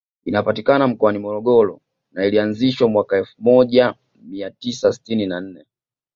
Inapatikana mkoani Morogoro na ilianzishwa mwaka wa elfu moja mia tisa sitini na nne